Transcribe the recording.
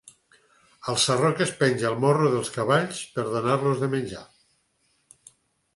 El sarró que es penja al morro dels cavalls per donar-los menjar.